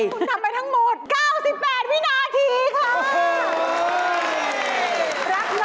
คุณทำไปทั้งหมด๙๘วินาทีค่ะ